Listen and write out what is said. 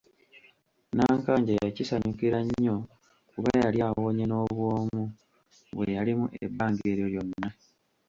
Nnankanja yakisanyukira nnyo kuba yali awonye n’obwomu bwe yalimu ebbanga eryo lyonna.